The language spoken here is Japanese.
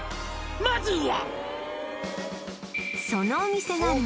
「まずは」